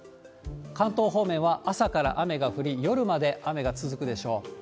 関東方面は朝から雨が降り、夜まで雨が続くでしょう。